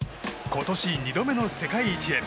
今年２度目の世界一へ。